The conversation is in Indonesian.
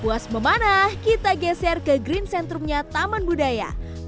puas memanah kita geser ke green centrumnya taman budaya